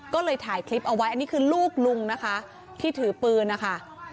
ก็เลยถ่ายคลิปเอาไว้อันนี้คือลูกลุงนะคะที่ถือปืนนะคะ